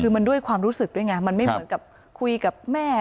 คือมันด้วยความรู้สึกด้วยไงมันไม่เหมือนกับคุยกับแม่